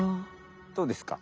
どうですか？